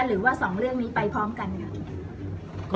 หรือว่าสองเรื่องนี้ไปพร้อมกันไหมครับ